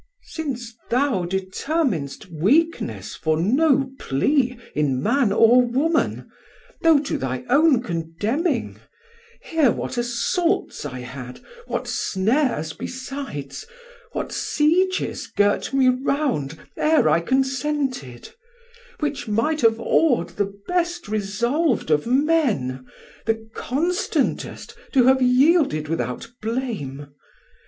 Dal: Since thou determinst weakness for no plea In man or woman, though to thy own condemning, Hear what assaults I had, what snares besides, What sieges girt me round, e're I consented; Which might have aw'd the best resolv'd of men, The constantest to have yielded without blame.